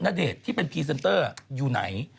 ณเดชน์ที่เป็นพรีเซนเตอร์อยู่ไหน